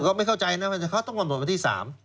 ก็ไม่เข้าใจนะเขาต้องมาวันที่๓